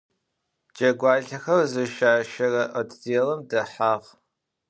Cegualhexer zışaşere votdêlım dehağ.